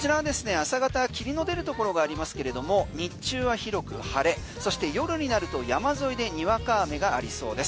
朝方、霧の出るところがありますけれども日中は広く晴れそして夜になると山沿いでにわか雨がありそうです。